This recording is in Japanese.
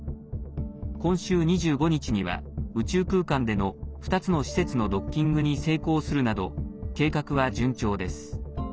今週２５日には、宇宙空間での２つの施設のドッキングに成功するなど、計画は順調です。